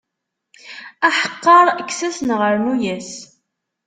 Aḥeqqaṛ, kkes-as neɣ rnu-yas.